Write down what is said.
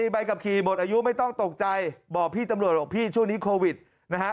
ใบขับขี่หมดอายุไม่ต้องตกใจบอกพี่ตำรวจบอกพี่ช่วงนี้โควิดนะฮะ